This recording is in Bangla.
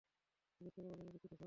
বিরক্ত করার জন্য দুঃখিত, স্যার।